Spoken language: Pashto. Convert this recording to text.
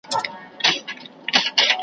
یوه مینه مي په زړه کي یو تندی یوه سجده ده .